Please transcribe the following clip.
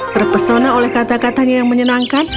terpesona oleh kata katanya yang menyenangkan